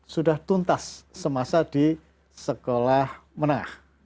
sudah tuntas semasa di sekolah menengah